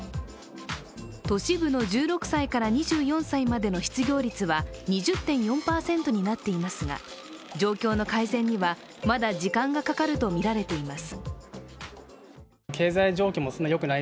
都市部の１６歳から２４歳までの失業率は２０．４％になっていますが状況の改善にはまだ時間がかかるとみられています。